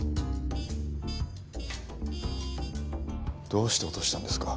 どうして落としたんですか。